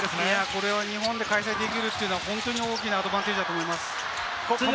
これは日本で開催できるのは大きなアドバンテージだと思います。